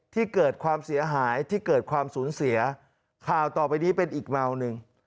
ที่เกิดความเสียหายที่เกิดความสูญเสียข่าวต่อไปนี้เป็นอีกเมาหนึ่ง